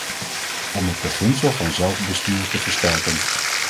Om het beginsel van zelfbestuur te versterken.